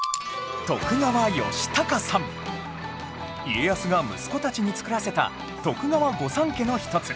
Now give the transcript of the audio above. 家康が息子たちに作らせた徳川御三家の一つ